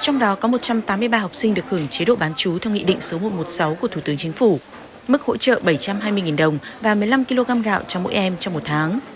trong đó có một trăm tám mươi ba học sinh được hưởng chế độ bán chú theo nghị định số một trăm một mươi sáu của thủ tướng chính phủ mức hỗ trợ bảy trăm hai mươi đồng và một mươi năm kg gạo cho mỗi em trong một tháng